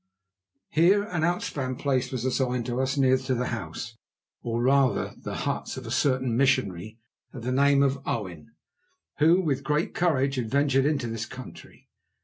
Here an outspan place was assigned to us near to the house, or rather the huts, of a certain missionary of the name of Owen, who with great courage had ventured into this country.